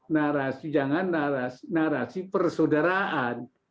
narasi jangan narasi persaudaraan